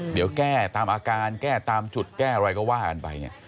เดี๋ยวแก้ตามอาการแก้ตามจุดแก้อะไรก็ว่ากันไปเนี่ย